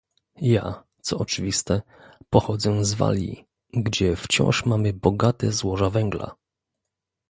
Ja, co oczywiste, pochodzę z Walii, gdzie wciąż mamy bogate złoża węgla